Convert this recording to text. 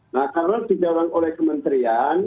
nah kalau didorong oleh kementerian